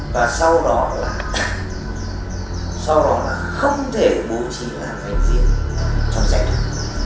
và sau đó là không thể bố trí làm doanh nghiệp trong giải đoạn